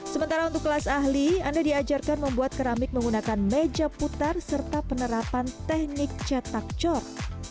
sementara untuk kelas ahli anda diajarkan membuat keramik menggunakan meja putar serta penerapan teknik cetak cor